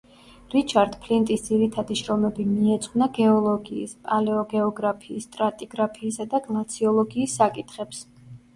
რიჩარდ ფლინტის ძირითადი შრომები მიეძღვნა გეოლოგიის, პალეოგეოგრაფიის, სტრატიგრაფიისა და გლაციოლოგიის საკითხებს.